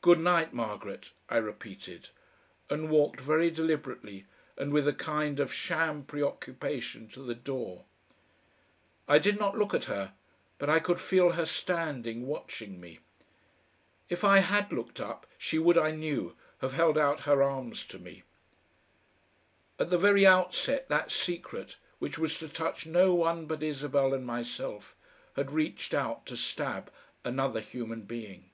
"Good night, Margaret," I repeated, and walked very deliberately and with a kind of sham preoccupation to the door. I did not look at her, but I could feel her standing, watching me. If I had looked up, she would, I knew, have held out her arms to me.... At the very outset that secret, which was to touch no one but Isabel and myself, had reached out to stab another human being.